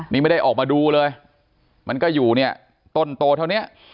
ไม่ได้ออกมาดูเลยมันก็อยู่ต้นโตเท่านี้